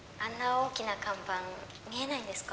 大きな看板見えないんですか？